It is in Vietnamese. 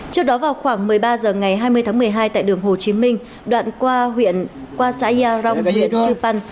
trước đó vào khoảng một mươi ba h ngày hai mươi tháng một mươi hai tại đường hồ chí minh đoạn qua xã yia rong huyện chiu pan